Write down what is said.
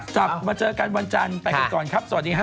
กลับมาเจอกันวันจันทร์ไปกันก่อนครับสวัสดีครับ